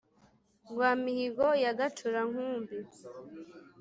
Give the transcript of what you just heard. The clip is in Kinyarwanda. Rwa Mihigo ya Gacura-nkumbi,